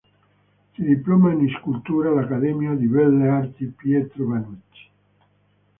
Si diploma in Scultura all'Accademia di Belle Arti "Pietro Vannucci".